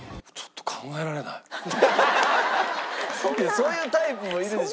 そういうタイプもいるでしょ。